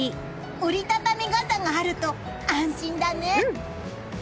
折り畳み傘があると安心だね！